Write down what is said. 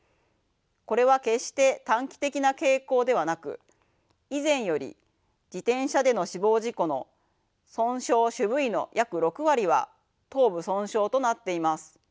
これは決して短期的な傾向ではなく以前より自転車での死亡事故の損傷主部位の約６割は頭部損傷となっています。